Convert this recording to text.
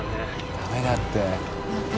ダメだって。